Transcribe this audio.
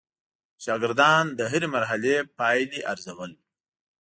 شاګردان د هره مرحله پایلې ارزول.